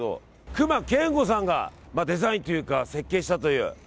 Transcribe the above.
隈研吾さんがデザインというか設計したという。